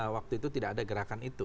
waktu itu tidak ada gerakan itu